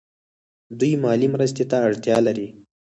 دوی مالي مرستې ته اړتیا لري.